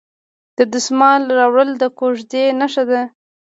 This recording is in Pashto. د دسمال راوړل د کوژدې نښه ده.